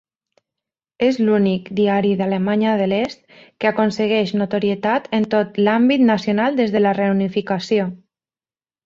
És l'únic diari d'Alemanya de l'Est que aconsegueix notorietat en tot l'àmbit nacional des de la reunificació.